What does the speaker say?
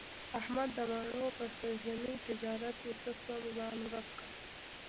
احمد د مڼو په سږني تجارت کې ښه سم ځان ورک کړ.